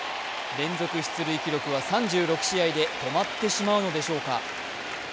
連続出塁記録は３６試合で止まってしまうのでしょうか。